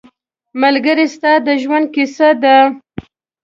ملګری ستا د ژوند کیسه ده